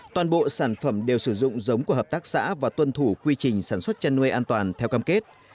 toàn bộ sản phẩm đều sử dụng giống của hợp tác xã và tuân thủ quy trình sản xuất chăn nuôi an toàn theo cam kết